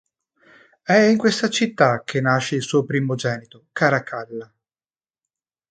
È in questa città che nasce il suo primogenito, Caracalla.